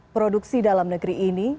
produksi dalam negeri ini